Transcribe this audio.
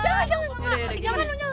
jangan jangan jangan